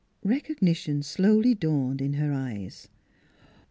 Recognition slowly dawned in her eyes.